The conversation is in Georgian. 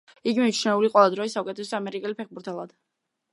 იგი მიჩნეული ყველა დროის საუკეთესო ამერიკელ ფეხბურთელად.